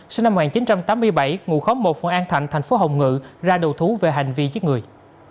sinh năm một nghìn chín trăm tám mươi bảy ngụ khóm một phường an thạnh thành phố hồng ngự ra đầu thú về hành vi giết người